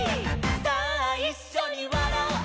さあいっしょにわらおう」